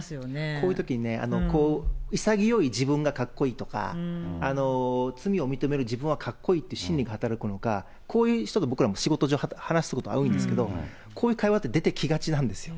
こういうときね、潔い自分がかっこいいとか、罪を認めるかっこいいって心理が働くのか、こういう人と僕らも仕事上、話をすることがあるんですけれども、こういう会話って出てきがちなんですよ。